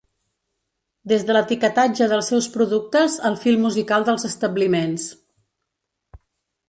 Des de l’etiquetatge dels seus productes al fil musical dels establiments.